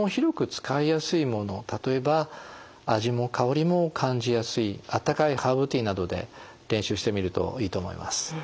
例えば味も香りも感じやすいあったかいハーブティーなどで練習してみるといいと思います。